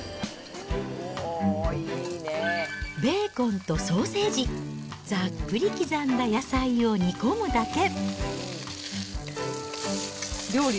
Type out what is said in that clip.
ベーコンとソーセージ、ざっくり刻んだ野菜を煮込むだけ。